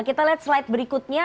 kita lihat slide berikutnya